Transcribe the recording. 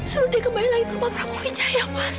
suruh dia kembali lagi ke rumah prabu wijaya mas